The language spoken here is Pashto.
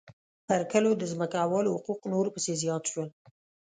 پر کلو د ځمکوالو حقوق نور پسې زیات شول